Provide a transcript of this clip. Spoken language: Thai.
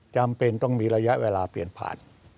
จำเป็นต้องมีระยะเวลาเปลี่ยนผ่าน